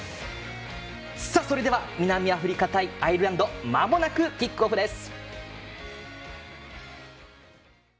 それでは南アフリカ対アイルランドまもなく、キックオフです。